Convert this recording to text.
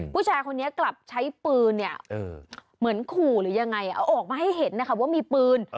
ผู้ชายคนนี้กลับใช้ปืนเนี่ยเหมือนขู่หรือยังไงเอาออกมาให้เห็นนะคะว่ามีปืน